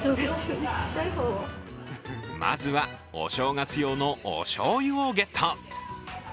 まずはお正月用のおしょうゆをゲット。